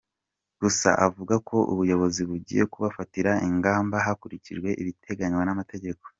Gusa avuga ko ubuyobozi bugiye kubafatira ingamba hakurikijwe ibiteganywa n’amategeko.